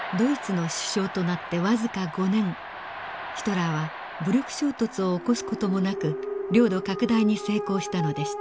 ヒトラーは武力衝突を起こす事もなく領土拡大に成功したのでした。